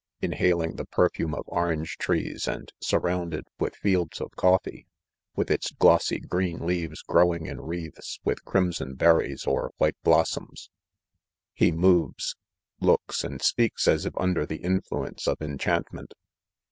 Inhaling the perfume of orange trees, and surrounded with fields of coffee (with its glossy green leaves growing in wreathes with crimson berries, or white "blossoms,) he moYeSy looks, and speaks as if 'under tiro in fluence of enchantment.